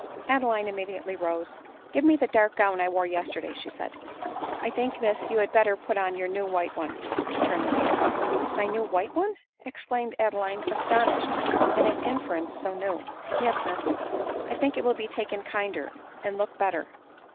Adeline immediately rose. " Give me the dark gown I wore yesterday," said she. " I think, Miss, you had better put op your new white one," returned the maid. " My new white one !" exclaimed Adeline, astonished at an interference so new. " Yes, Miss — I think it will be taken kinder, and look . better."